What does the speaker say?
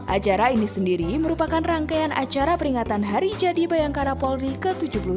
acara ini sendiri merupakan rangkaian acara peringatan hari jadi bayangkara polri ke tujuh puluh tiga